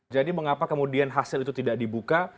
jadi mengapa kemudian hasil itu tidak dibuka